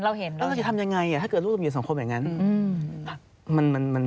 เราจะทำอย่างไรถ้าเกิดลูกจอมขวานอยู่สัมคมอย่างนั้น